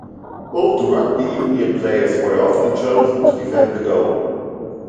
Old Rugby Union players were often chosen to defend the goal.